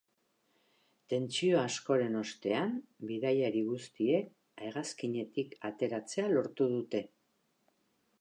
Tentsio askoren ostean, bidaiari guztiek hegazkinetik ateratzea lortu dute.